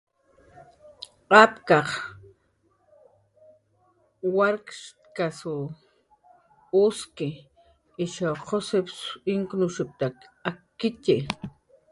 Apkanh warkshatkas us uski, ishaw qus inkps akkitxi